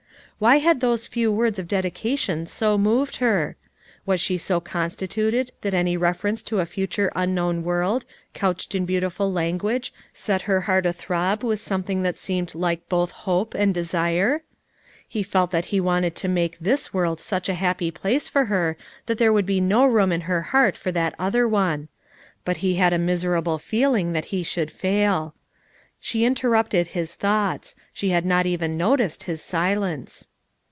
Why had those few words of dedication so moved her! Was she so constituted that any reference to a fu ture unknown world, couched in beautiful Ian guage set her heart athrob with something that seemed like both hope and desire? He felt that he wanted to make this world such a happy place for her that there would be no room in FOUR MOTHERS AT CHAUTAUQUA 293 her heart for that other one; but he had a mis erable feeling that he should fail. She inter rupted his thoughts ; she had not even noticed his silence.